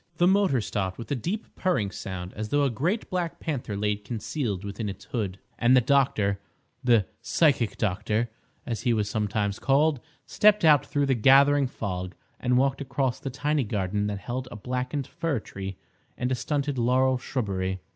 The motor stopped with a deep purring sound, as though a great black panther lay concealed within its hood, and the doctor—the "psychic doctor," as he was sometimes called—stepped out through the gathering fog, and walked across the tiny garden that held a blackened fir tree and a stunted laurel shrubbery.